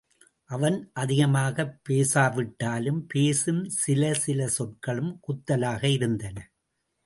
அவன் அதிகமாகப் பேசாவிட்டாலும், பேசும் சில சில சொற்களும் குத்தலாக இருந்தன.